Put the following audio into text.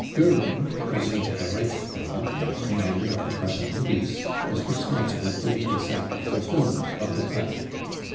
Goering, president oL the Reichstag and commander of the Prussian police* was responsible for the exact fulfilment of the plan.